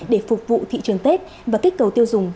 để phục vụ thị trường tết và kích cầu tiêu dùng